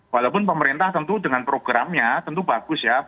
walaupun pemerintah tentu dengan programnya tentu bagus ya